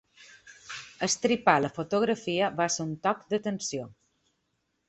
Estripar la fotografia va ser un toc d’atenció.